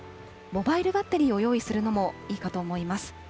モバイルバッテリーを用意するのもいいかと思います。